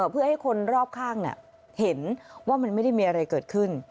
เพื่อให้คนรอบข้างเห็นว่ามันไม่ได้มีอะไรเกิดขึ้น